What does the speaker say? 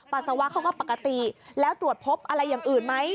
ปัสสาวะเขาก็ปกติแล้วตรวจพบอะไรอย่างอื่นไหม